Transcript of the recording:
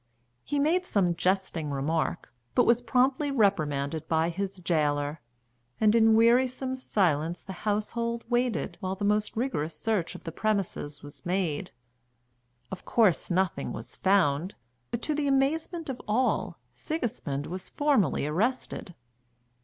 He made some jesting remark, but was promptly reprimanded by his gaoler, and in wearisome silence the household waited while the most rigorous search of the premises was made. Of course nothing was found; but, to the amazement of all, Sigismund was formally arrested.